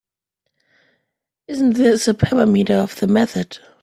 Isn’t this a parameter of the method?